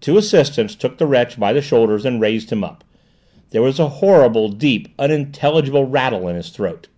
Two assistants took the wretch by the shoulders and raised him up. There was a horrible, deep, unintelligible rattle in his throat.